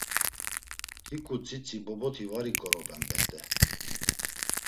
Hiǩu tzitzi boboti var iǩoroben bet̆e!